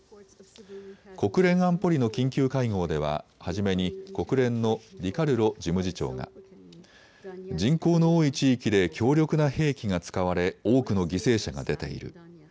国連安保理の緊急会合では初めに国連のディカルロ事務次長が人口の多い地域で強力な兵器が使われ多くの犠牲者が出ている。